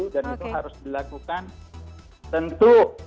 dan itu harus dilakukan tentu